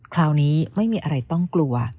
คราวนี้ไม่มีอะไรต้องกลัว